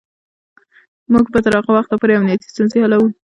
موږ به تر هغه وخته پورې امنیتی ستونزې حلوو.